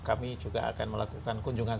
kami juga akan melakukan kunjungan